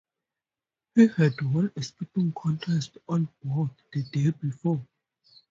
He had won a skipping contest on board the day before.